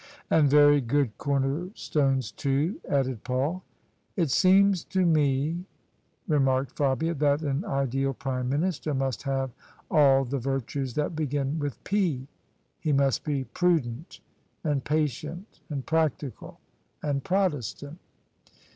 " And very good cornerstones too," added Paul. " It seems to me," remarked Fabia, " that an ideal Prime Minister must have all the virtues that begin with P. He must be prudent and patient and practical and Protestant."